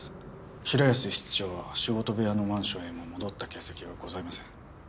平安室長は仕事部屋のマンションへも戻った形跡はございません。